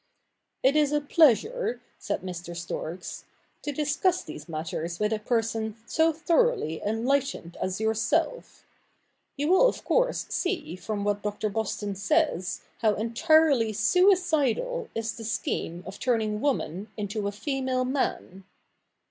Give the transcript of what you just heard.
' It is a pleasure,' said Mr. Storks, ' to discuss these matters with a person so thoroughly enlightened as yourself. You will of course see from what Dr. Boston says how entirely suicidal is the scheme of turning woman into a female man.